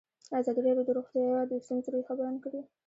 ازادي راډیو د روغتیا د ستونزو رېښه بیان کړې.